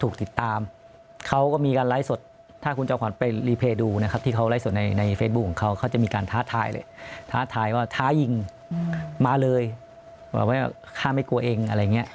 ข้าไม่กลัวเองอะไรอย่างนี้